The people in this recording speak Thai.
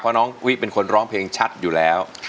เพราะน้องวิเป็นคนร้องเพลงชัดอยู่แล้ว